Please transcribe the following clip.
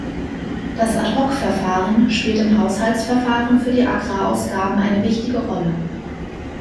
Das Ad hoc-Verfahren spielt im Haushaltsverfahren für die Agrarausgaben eine wichtige Rolle.